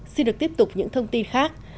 xin được tiếp tục những thông tin khác